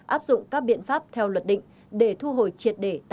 áp dụng các biện pháp theo luật định để thu hồi triệt để tài sản cho nhà nước